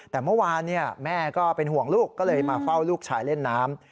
แต่เมื่อวานแม่ก็เป็นห่วงลูกก็เลยมาเฝ้าลูกชายเล่นน้ำ